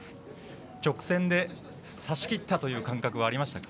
直線で差しきったという感覚はありましたか？